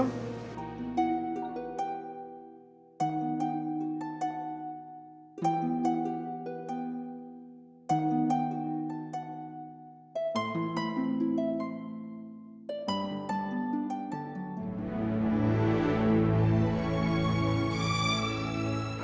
kalian aja bertenang aja